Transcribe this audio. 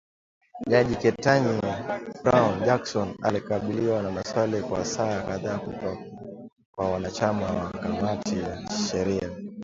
Jaji Ketanji Brown Jackson, alikabiliwa na maswali kwa saa kadhaa kutoka kwa wanachama wa kamati ya sheria.